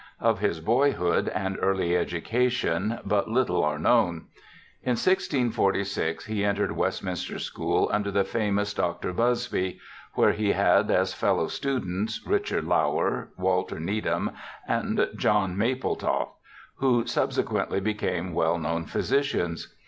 Of his boyhood and early education but little are known. In 1646 he entered Westminster School under the famous Dr. Busby, where he had as fellow students Richard Lower, Walter Needham, and John Mapletoft, who subse quently became well known physicians.